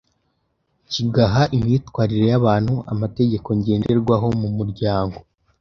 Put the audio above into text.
kigaha imyitwarire y’abantu amategeko ngenderwaho mu muryango.